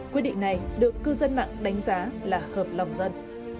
quyết định này được cư dân mạng đánh giá là hợp lòng dân